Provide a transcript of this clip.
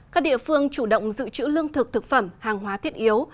các địa phương chủ động giữ chữ lương thực thực phẩm hàng hóa thiết yếu